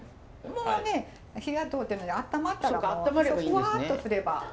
もうね火が通ってるのであったまったらフワッとすれば。